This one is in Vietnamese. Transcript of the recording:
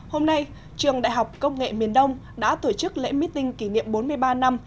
hôm nay trường đại học công nghệ miền đông đã tổ chức lễ meeting kỷ niệm bốn mươi ba năm